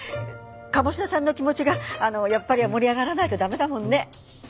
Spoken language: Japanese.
鴨志田さんの気持ちがやっぱり盛り上がらないと駄目だもんね。